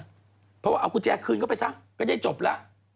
เพราะว่าเอากุญแจคืนเข้าไปซะก็ได้จบแล้ว